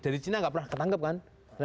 dari cina nggak pernah ketangkep kan